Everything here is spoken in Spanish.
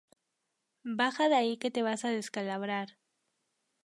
Baja de ahí que te vas a descalabrar